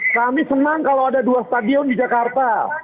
kami senang kalau ada dua stadion di jakarta